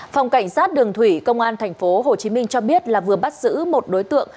phòng cảnh sát đường thủy công an tp hcm cho biết là vừa bắt giữ một đối tượng